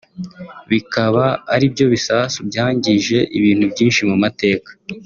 bikaba aribyo bisasu byangije ibintu byinshi mu mateka